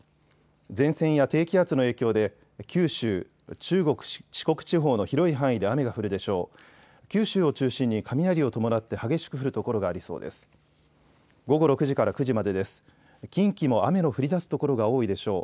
前線や低気圧の影響で九州、中国、四国地方の広い範囲で雨が降るでしょう。